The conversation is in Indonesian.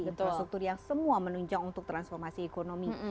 infrastruktur yang semua menunjang untuk transformasi ekonomi